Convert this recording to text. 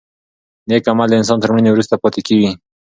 نېک عمل د انسان تر مړینې وروسته پاتې کېږي.